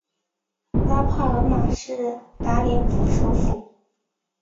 拉帕尔马是达连省首府。